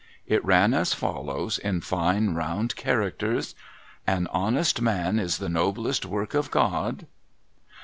It ran as follows, in fine round characters :' An honest man is the noblest work of God.